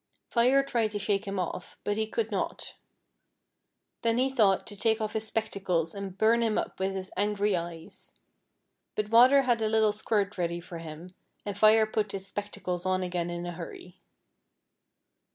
Fire tried to shake him off, but he could not; then he thought to take off his spectacles and burn him up with his angry eyes ; but Water had a little squirt ready for him, and Fire put his spectacles on again in a hurry.